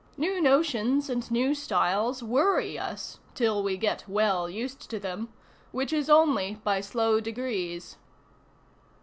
New notions and new styles worry us, till we get well used to them, which is only by slow degrees.